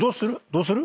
どうする？